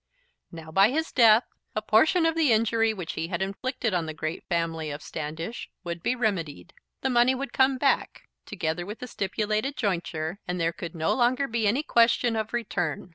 Now by his death, a portion of the injury which he had inflicted on the great family of Standish would be remedied. The money would come back, together with the stipulated jointure, and there could no longer be any question of return.